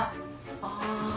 ああ。